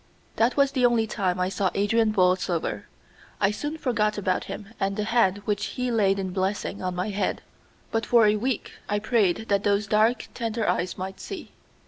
That was the only time I saw Adrian Borlsover. I soon forgot about him and the hand which he laid in blessing on my head. But for a week I prayed that those dark tender eyes might see.